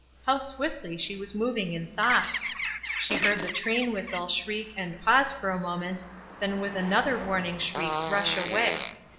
How swiftly she was moving in thought ! She heard the train whistle and shriek and pause for a moment, then with another warning shriek rush away.